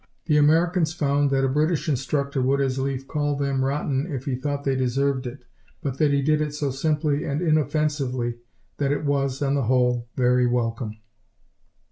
The Americans found that a British instructor would as lief call them "rotten" if he thought they deserved it, but that he did it so simply and inoffensively that it was, on the whole, very welcome.